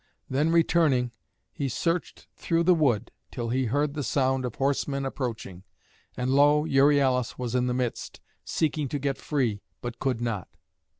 Then returning he searched through the wood till he heard the sound of horsemen approaching; and lo! Euryalus was in the midst, seeking to get free, but could not.